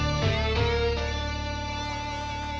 tiga kali sampai saya rumuh